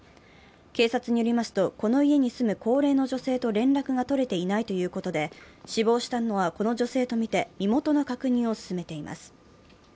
警察によるとこの家に住む高齢女性と連絡が取れていないということで死亡したのはこの女性とみて身元の確認を進めています。